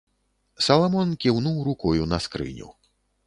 Саламон кіўнуў рукою на скрыню.